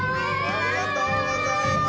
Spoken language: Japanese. ありがとうございます。